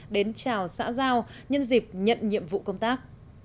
đến chào xã giao nhân dịp nhận nhiệm vụ công tác